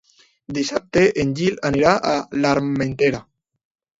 Dissabte en Gil anirà a l'Armentera.